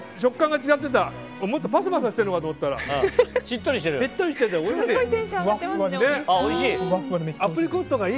もっとパサパサしているのかと思ったらしっとりしてておいしい。